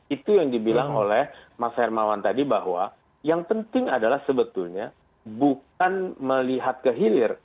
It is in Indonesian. itu yang dibilang oleh mas hermawan tadi bahwa yang penting adalah sebetulnya bukan melihat ke hilir